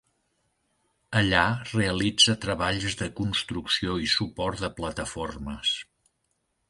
Allà realitza treballs de construcció i suport de plataformes.